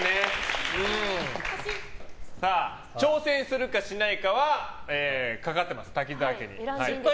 挑戦するかしないかはかかってます、武澤家に。